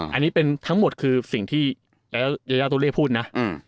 อันนี้เป็นทั้งหมดคือสิ่งที่แล้วยายาตัวเลขพูดนะ